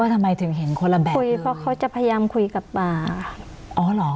ทำไมถึงเห็นคนละแบบคุยเพราะเขาจะพยายามคุยกับป่าอ๋อเหรอ